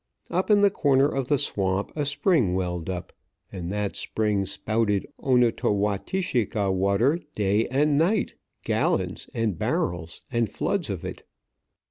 Up in the corner of the swamp a spring welled up; and that spring spouted Onotowatishika water day and night, gallons, and barrels, and floods of it.